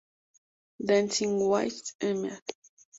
Dancing with Mr.